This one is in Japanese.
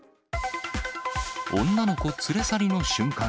女の子連れ去りの瞬間。